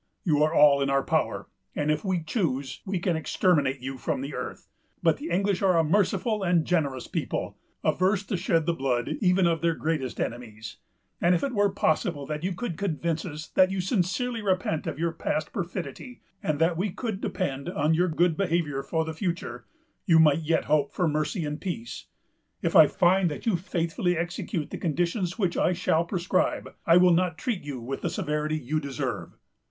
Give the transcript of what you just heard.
You are all in our power, and, if we choose, we can exterminate you from the earth; but the English are a merciful and generous people, averse to shed the blood even of their greatest enemies; and if it were possible that you could convince us that you sincerely repent of your past perfidy, and that we could depend on your good behavior for the future, you might yet hope for mercy and peace. If I find that you faithfully execute the conditions which I shall prescribe, I will not treat you with the severity you deserve.